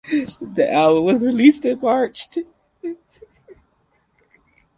The album was released in March.